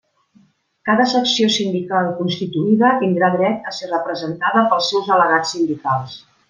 Cada secció sindical constituïda tindrà dret a ser representada pels seus delegats sindicals.